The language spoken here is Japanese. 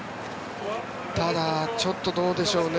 ただ、ちょっとどうでしょうね。